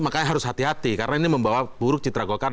makanya harus hati hati karena ini membawa buruk citra golkar